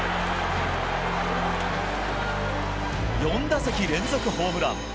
４打席連続ホームラン。